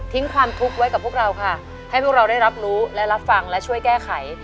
ความทุกข์ไว้กับพวกเราค่ะให้พวกเราได้รับรู้และรับฟังและช่วยแก้ไข